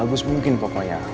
bagus mungkin pokoknya